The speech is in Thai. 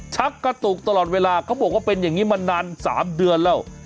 ชักกระตุกตลอดเวลาเขาบอกว่าเป็นอย่างนี้มานาน๓เดือนแล้ว